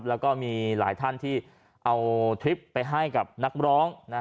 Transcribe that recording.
แล้วก็มีหลายท่านที่เอาทริปไปให้กับนักร้อง